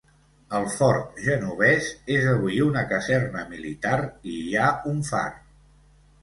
El fort genovès és avui una caserna militar i hi ha un far.